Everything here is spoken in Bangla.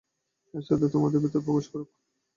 এই শ্রদ্ধা তোমাদের ভিতর প্রবেশ করুক।